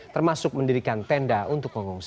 termasuk mendirikan tenda untuk pengungsi